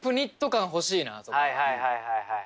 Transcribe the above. はいはいはいはい。